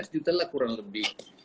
lima belas juta lah kurang lebih